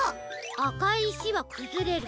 あかいいしはくずれる。